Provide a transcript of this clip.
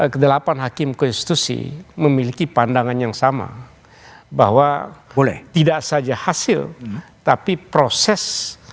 kedelapan hakim konstitusi memiliki pandangan yang sama bahwa boleh tidak saja hasil tapi proses